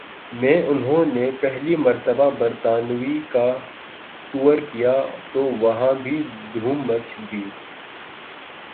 میں انہو نہ پہلی مرتبہ برطانوی کا ٹور کیا تو وہاں بھی دھوم مچ دی